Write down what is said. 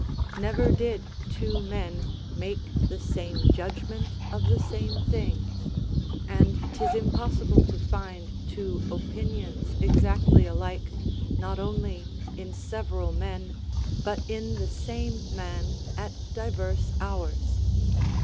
Never did two men make the same judgment of the same thing; and 'tis impossible to find two opinions exactly alike, not only in several men, but in the same man, at diverse hours.